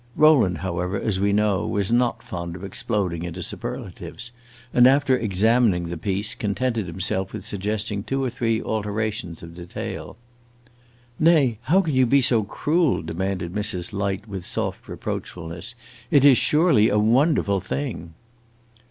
Rowland, however, as we know, was not fond of exploding into superlatives, and, after examining the piece, contented himself with suggesting two or three alterations of detail. "Nay, how can you be so cruel?" demanded Mrs. Light, with soft reproachfulness. "It is surely a wonderful thing!"